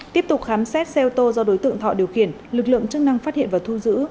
tiếp tục khám xét xe ô tô do đối tượng thọ điều khiển lực lượng chức năng phát hiện và thu giữ